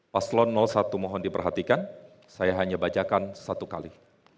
paslon satu mohon diperhatikan saya hanya bacakan satu kali